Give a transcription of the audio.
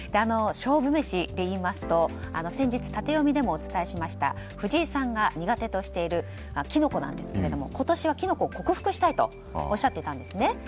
勝負メシで言いますと先日タテヨミでもお伝えしました藤井さんが苦手としているキノコなんですけれども今年はキノコを克服したいとおっしゃっていたんですね。